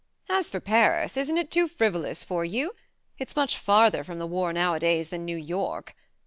As for Paris, isn't it too frivolous for you ? It's much farther from the war nowadays than New York.